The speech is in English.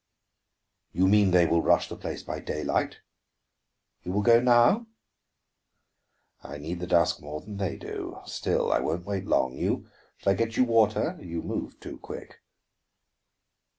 "You mean they will rush the place by daylight? You will go now?" "I need the dusk more than they do. Still, I won't wait long. You shall I get you water? you moved too quick!"